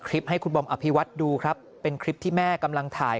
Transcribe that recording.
ให้คุณบอมอภิวัตดูครับเป็นคลิปที่แม่กำลังถ่าย